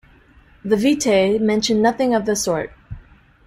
The "vitae" mention nothing of the sort.